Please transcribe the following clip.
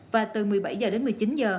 và từ một mươi bảy h đến một mươi chín h